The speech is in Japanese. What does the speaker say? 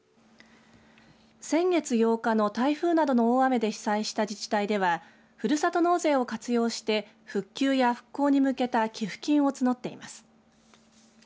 先月８日の台風などの大雨で被災した自治体ではふるさと納税を活用して復旧や復興に向けた寄付金を募っています。